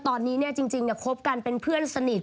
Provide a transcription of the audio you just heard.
ตอนนี้เนี่ยจริงเนี่ยคบกันเป็นเพื่อนสนิท